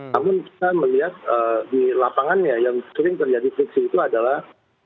namun kita melihat di lapangannya yang sering terjadi friksi itu adalah